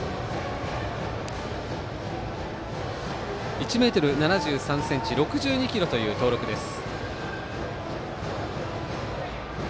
１ｍ７３ｃｍ６２ｋｇという登録です。